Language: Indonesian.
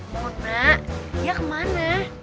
mona dia kemana